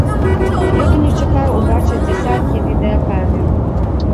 Ён не чакаў убачыць дзясяткі відэакамер.